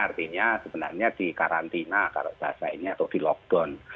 artinya sebenarnya di karantina kalau bahasanya atau di lockdown